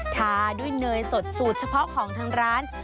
ทาด้วยเนยสดสูตรเฉพาะของทางร้าน